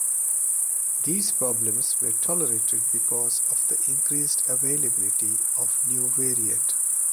These problems were tolerated because of the increased availability of the new variant.